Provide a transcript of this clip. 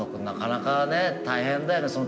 なかなかね大変だよね